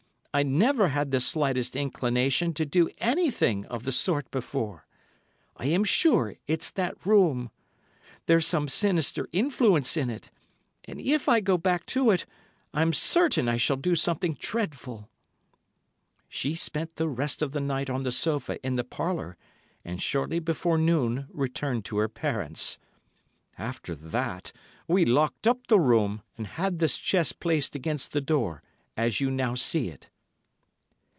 'I never had the slightest inclination to do anything of the sort before. I am sure it's that room. There's some sinister influence in it, and if I go back to it, I'm certain I shall do something dreadful.' "She spent the rest of the night on the sofa in the parlour, and shortly before noon returned to her parents. "After that we locked up the room and had this chest placed against the door, as you now see it."